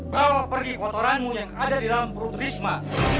kalau pergi kotoranmu yang ada di dalam perut risma